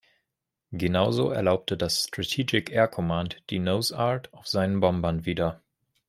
Genauso erlaubte das Strategic Air Command die nose art auf seinen Bombern wieder.